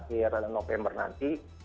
akhir november nanti